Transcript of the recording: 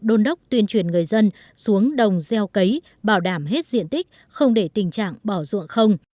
đôn đốc tuyên truyền người dân xuống đồng gieo cấy bảo đảm hết diện tích không để tình trạng bỏ ruộng không